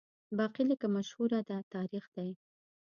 باقي لکه مشهوره ده تاریخ دی